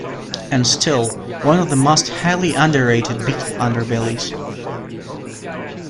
And still one of the most highly underrated Beatle underbellies.